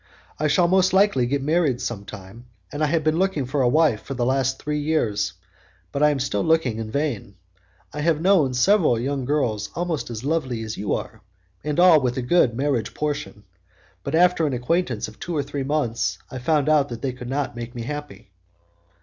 I shall most likely get married sometime, and I have been looking for a wife for the last three years, but I am still looking in vain. I have known several young girls almost as lovely as you are, and all with a good marriage portion, but after an acquaintance of two or three months I found out that they could not make me happy."